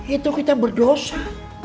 itu kita berdosa